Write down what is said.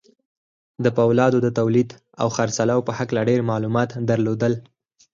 د پولادو د توليد او خرڅلاو په هکله ډېر معلومات درلودل.